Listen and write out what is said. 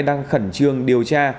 đang khẩn trương điều tra